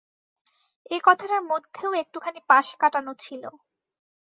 এ কথাটার মধ্যেও একটুখানি পাশ-কাটানো ছিল।